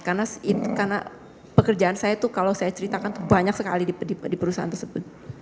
karena pekerjaan saya itu kalau saya ceritakan banyak sekali di perusahaan tersebut